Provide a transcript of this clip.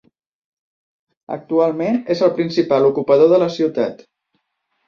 Actualment, és el principal ocupador de la ciutat.